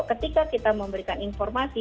ketika kita memberikan informasi